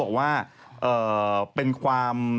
สวัสดีครับ